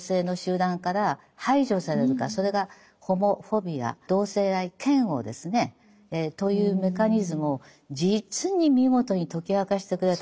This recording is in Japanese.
それがホモフォビア同性愛嫌悪ですねというメカニズムを実に見事に解き明かしてくれた本なんです。